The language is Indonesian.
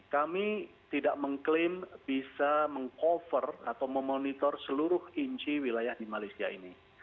kami tidak mengklaim bisa meng cover atau memonitor seluruh inci wilayah di malaysia ini